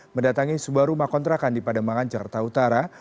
mendatangi sebuah rumah kontrakan di pademangan jakarta utara